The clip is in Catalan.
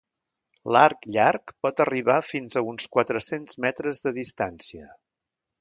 L'arc llarg pot arribar fins a uns quatre-cents metres de distància.